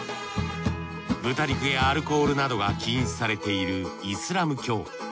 豚肉やアルコールなどが禁止されているイスラム教。